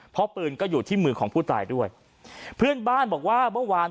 เพราะปืนก็อยู่ที่มือของผู้ตายด้วยเพื่อนบ้านบอกว่าเมื่อวาน